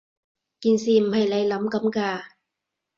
件事唔係你諗噉㗎